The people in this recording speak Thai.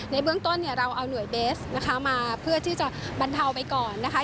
ในเบื้องต้นเนี่ยเราเอาหน่วยเบสนะคะมาเพื่อที่จะบรรเทาไปก่อนนะคะ